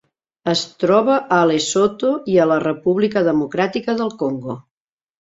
Es troba a Lesotho i a la República Democràtica del Congo.